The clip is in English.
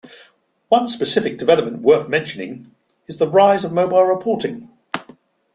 One specific development worth mentioning, is the rise of mobile reporting.